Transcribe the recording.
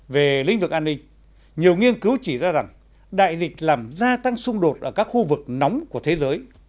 về lĩnh vực an ninh nhiều nghiên cứu chỉ ra rằng đại dịch làm gia tăng xung đột ở các khu vực nóng của thế giới